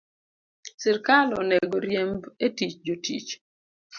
Sirkal onego riemb e tich jotich